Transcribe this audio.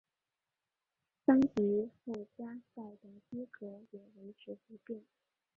升级附加赛的资格也维持不变。